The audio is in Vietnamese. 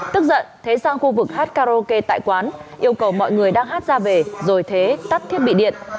tức giận thế sang khu vực hát karaoke tại quán yêu cầu mọi người đang hát ra về rồi thế tắt thiết bị điện